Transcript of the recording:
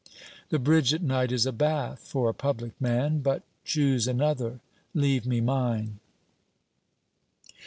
The bridge at night is a bath for a public man. But choose another; leave me mine.'